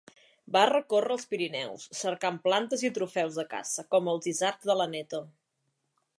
Va recórrer els Pirineus cercant plantes i trofeus de caça com els isards de l'Aneto.